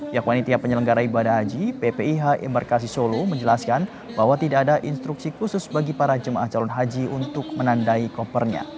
ya panitia penyelenggara ibadah haji ppih embarkasi solo menjelaskan bahwa tidak ada instruksi khusus bagi para jemaah calon haji untuk menandai kopernya